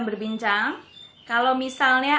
berbincang kalau misalnya